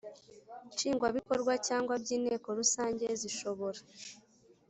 Nshingwabikorwa cyangwa by Inteko Rusange zishobora